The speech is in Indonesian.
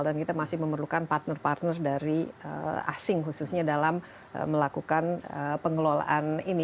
dan kita masih memerlukan partner partner dari asing khususnya dalam melakukan pengelolaan ini